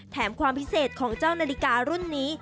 ความพิเศษของเจ้านาฬิการุ่นนี้